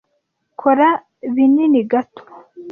Kora binini gato.